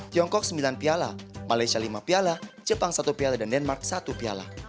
tiongkok sembilan piala malaysia lima piala jepang satu piala dan denmark satu piala